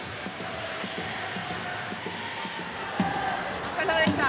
お疲れさまでした。